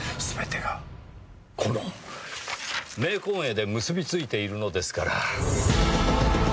全てがこの冥婚絵で結びついているのですから。